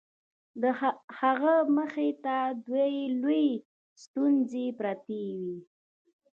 د هغه مخې ته دوې لويې ستونزې پرتې وې.